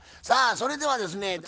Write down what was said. さあそれではですね